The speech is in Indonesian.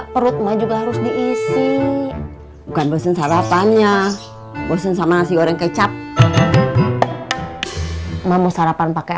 perut mah juga harus diisi bukan bosen sarapannya bosen sama nasi goreng kecap mama sarapan pakai